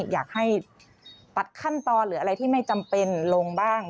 อยากให้ตัดขั้นตอนหรืออะไรที่ไม่จำเป็นลงบ้าง